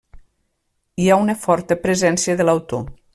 Hi ha una forta presència de l'autor.